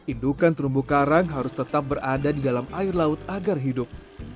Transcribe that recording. indukan terumbu karang harus tetap berada di dalam air laut agar hidup